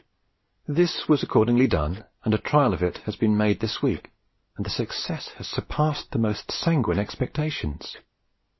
This was accordingly done, and a trial of it has been made this week, and the success has surpassed the most sanguine expectations.